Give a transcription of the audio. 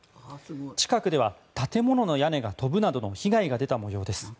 近くでは建物の屋根が飛ぶなどの被害が出た模様です。